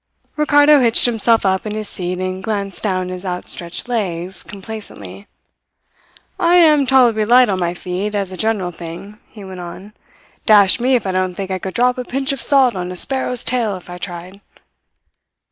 Ricardo hitched himself up in his seat and glanced down his outstretched legs complacently. "I am tolerably light on my feet, as a general thing," he went on. "Dash me if I don't think I could drop a pinch of salt on a sparrow's tail, if I tried.